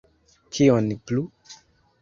Kion plu?